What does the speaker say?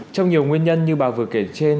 trong nhiều nguyên nhân như bà vừa kể trên